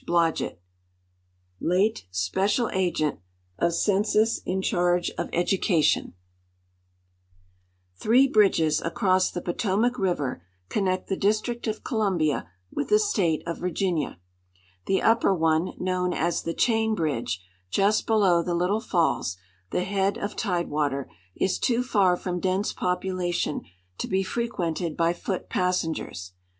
Blodgett, Late Special Agent of Census in Charge of Education Three bridjies across the Potomac river connect the District of Columbia witli the State of Virginia. Tlie upper one, known as the Chain bridge, just below the Little falls, the head of tide water, is too far from dense population to be frequented by foot passengers.